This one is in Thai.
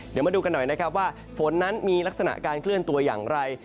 เดี๋ยวมาดูกันหน่อยนะครับว่าฝนนั้นมีลักษณะการเคลื่อนตัวอย่างไร